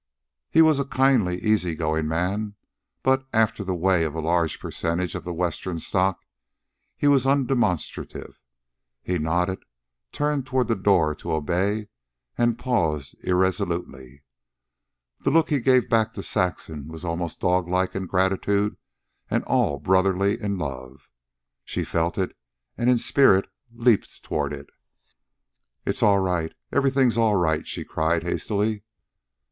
He was a kindly, easy going man; but, after the way of a large percentage of the Western stock, he was undemonstrative. He nodded, turned toward the door to obey, and paused irresolutely. The look he gave back to Saxon was almost dog like in gratitude and all brotherly in love. She felt it, and in spirit leapt toward it. "It's all right everything's all right," she cried hastily.